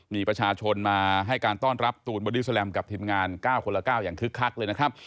มีประชาชนมาให้การต้อนรับตูนบอดี้แลมกับทีมงาน๙คนละ๙อย่างคึกคักเลยนะครับ